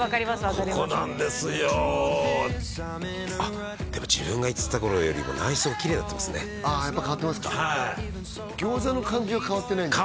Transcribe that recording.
ここなんですよあっでも自分が行ってた頃よりも内装きれいになってますねああやっぱ変わってますか餃子の感じは変わってないんですか？